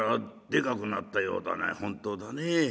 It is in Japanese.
「本当だね。